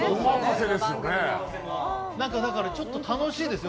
だからちょっと楽しいですよ。